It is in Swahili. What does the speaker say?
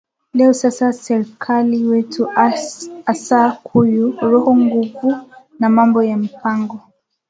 Leo sasa serkali wetu asha kuya roho nguvu na mambo ya mpango